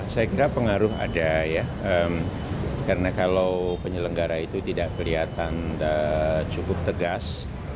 saya kira pengaruh ada ya karena kalau penyelenggara itu tidak kelihatan cukup tegas